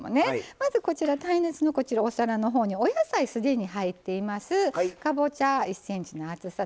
まずこちら耐熱のお皿のほうにお野菜既に入っています。